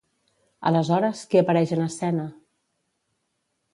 Aleshores, qui apareix en escena?